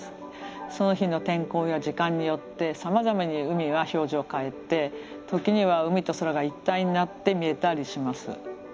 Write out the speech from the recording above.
その日の天候や時間によってさまざまに海は表情を変えて時には海と空が一体になって見えたりします。